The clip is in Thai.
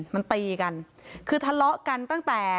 มันตีกันคือทะเลาะกันตั้งแต่